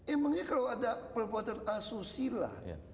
emangnya kalau ada perbuatan asusila